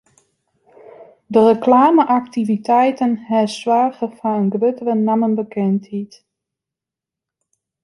De reklame-aktiviteiten hawwe soarge foar in gruttere nammebekendheid.